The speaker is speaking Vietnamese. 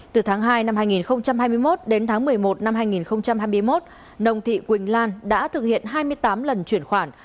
từ tháng hai năm hai nghìn hai mươi một đến tháng một mươi một năm hai nghìn hai mươi một nông thị quỳnh lan đã thực hiện hai mươi tám lần chuyển khoản